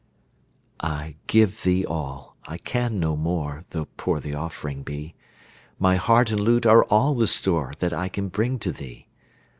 I give thee all I can no more Tho' poor the offering be; My heart and lute are all the store That I can bring to thee.